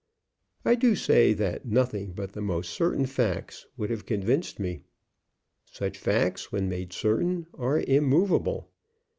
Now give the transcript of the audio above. I do say that nothing but the most certain facts would have convinced me. Such facts, when made certain, are immovable.